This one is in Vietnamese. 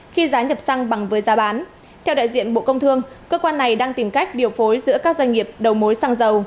khi giá nhập xăng bằng với giá bán theo đại diện bộ công thương cơ quan này đang tìm cách điều phối giữa các doanh nghiệp đầu mối xăng dầu